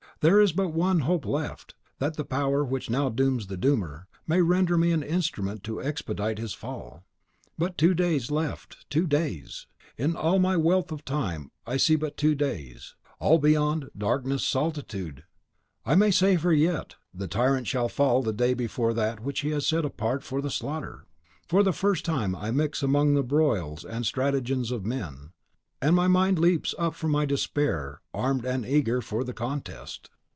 There is but one hope left, that the Power which now dooms the doomer, may render me an instrument to expedite his fall. But two days left, two days! In all my wealth of time I see but two days; all beyond, darkness, solitude. I may save her yet. The tyrant shall fall the day before that which he has set apart for slaughter! For the first time I mix among the broils and stratagems of men, and my mind leaps up from my despair, armed and eager for the contest."